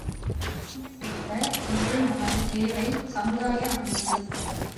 இனிய செல்வ, இன்று நமது தேவை, சமுதாய அமைப்பு!